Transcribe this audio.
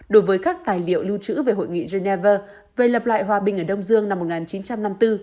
đối với các tài liệu lưu trữ về hội nghị geneva về lập lại hòa bình ở đông dương năm một nghìn chín trăm năm mươi bốn